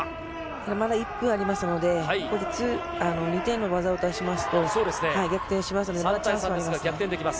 ただまだ１分ありますので、ここで２点の技を出しますと、逆転しますので、まだチャンスはあります。